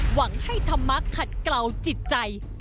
หวังให้ธรรมะขัดเกลาจิตใจ